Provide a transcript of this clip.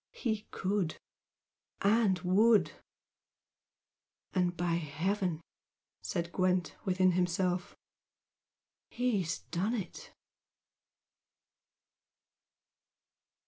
He could and would! "And by Heaven," said Gwent, within himself "He's done it!"